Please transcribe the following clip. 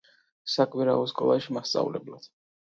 საკვირაო სკოლაში მასწავლებლად.